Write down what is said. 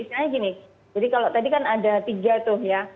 misalnya gini jadi kalau tadi kan ada tiga tuh ya